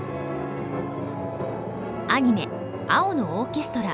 アニメ「青のオーケストラ」